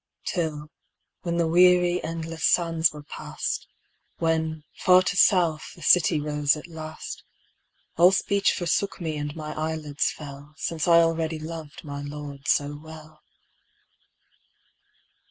Till, when the weary endless sands were passed, When, far to south, the city rose at last, All speech forsook me and my eyelids fell, Since I already loved my Lord so well.